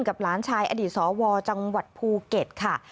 หลานชายอดีตสวจังหวัดภูเก็ตค่ะ